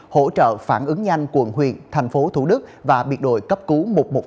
hỗ trợ phản ứng nhanh quận huyện tp thủ đức và biệt đội cấp cứu một trăm một mươi năm